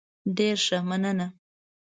ډیر ښه، مننه.